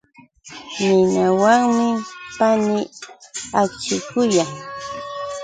Ninawanmi panii akchikuyan.